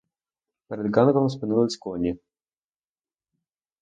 Перед ґанком спинились коні.